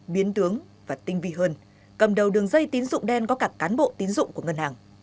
biến tướng và tinh vi hơn cầm đầu đường dây tín dụng đen có cả cán bộ tín dụng của ngân hàng